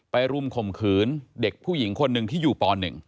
รุมข่มขืนเด็กผู้หญิงคนหนึ่งที่อยู่ป๑